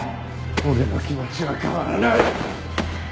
俺の気持ちは変わらない。